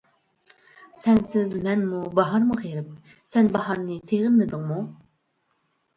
سەنسىز مەنمۇ، باھارمۇ غېرىب، سەن باھارنى سېغىنمىدىڭمۇ؟ !